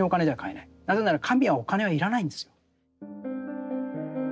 なぜなら神はお金は要らないんですよ。